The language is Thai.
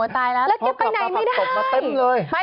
แล้วแกไปไหนไม่ได้